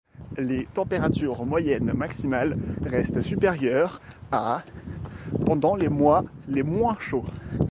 Les températures moyennes maximales restent supérieures à pendant les mois les moins chauds.